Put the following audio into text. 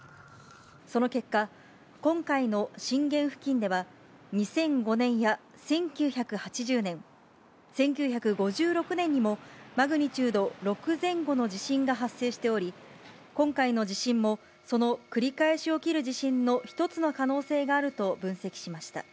その結果、今回の震源付近では、２００５年や１９８０年、１９５６年にもマグニチュード６前後の地震が発生しており、今回の地震もその繰り返し起きる地震の１つの可能性があると分析しました。